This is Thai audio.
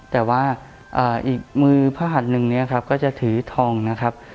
แต่ว่าอีกมือพระหัดหนึ่งเนี่ยครับก็จะถือทองนะครับ